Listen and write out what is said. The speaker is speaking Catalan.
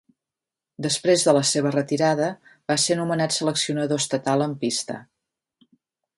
Després de la seva retirada, va ser nomenat seleccionador estatal en pista.